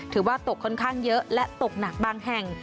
ถือว่าตกค่อนข้างเยอะและตกหนักบางแห่ง